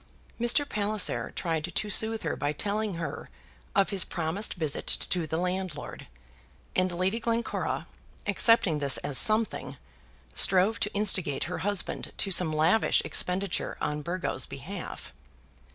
Mr. Palliser tried to soothe her by telling her of his promised visit to the landlord; and Lady Glencora, accepting this as something, strove to instigate her husband to some lavish expenditure on Burgo's behalf.